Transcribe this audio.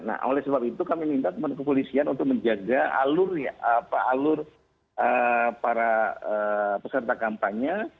nah oleh sebab itu kami minta teman kepolisian untuk menjaga alur para peserta kampanye